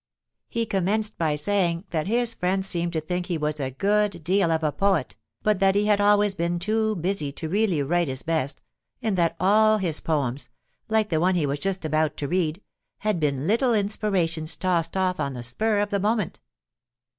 He commenced by saying that his friends seemed to think he was a good deal of a poet, but that he had always been too busy to really write his best, and that all his poems, like the one he was just about to read, had been little inspirations tossed off on the spur of the moment.